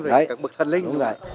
các bậc thần linh